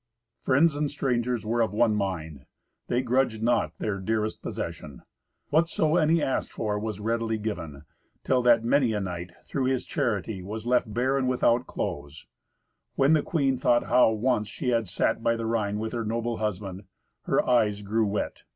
Friends and strangers were of one mind. They grudged not their dearest possession. Whatso any asked for was readily given, till that many a knight, through his charity, was left bare and without clothes. When the queen thought how once she had sat by the Rhine with her noble husband, her eyes grew wet.